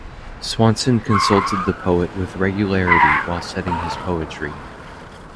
Swanson consulted the poet with regularity while setting his poetry.